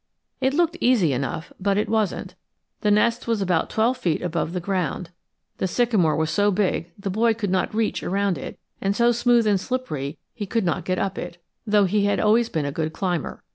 It looked easy enough, but it wasn't. The nest was about twelve feet above the ground. The sycamore was so big the boy could not reach around it, and so smooth and slippery he could not get up it, though he had always been a good climber.